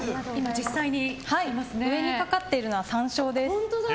上にかかっているのは山椒です。